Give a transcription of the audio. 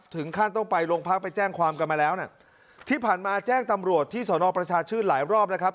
ถึงขั้นต้องไปโรงพักไปแจ้งความกันมาแล้วน่ะที่ผ่านมาแจ้งตำรวจที่สอนอประชาชื่นหลายรอบนะครับ